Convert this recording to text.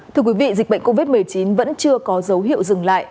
thưa quý vị dịch bệnh covid một mươi chín vẫn chưa có dấu hiệu dừng lại